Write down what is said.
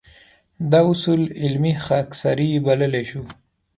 دا اصول علمي خاکساري بللی شو.